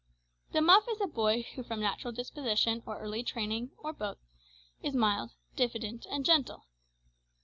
The muff is a boy who from natural disposition, or early training, or both, is mild, diffident, and gentle.